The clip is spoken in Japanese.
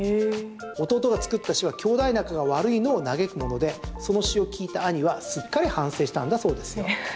弟が作った詩は兄弟仲が悪いのを嘆くものでその話を聞いた兄はすっかり反省したんだそうです。